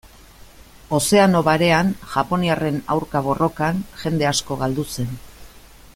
Ozeano Barean, japoniarren aurka borrokan, jende asko galdu zen.